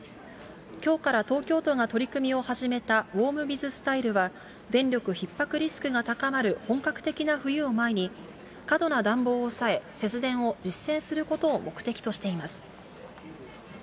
きょうから東京都が取り組みを始めたウォームビズスタイルは、電力ひっ迫リスクが高まる本格的な冬を前に、過度な暖房を抑え、節電を実践することを目的としています。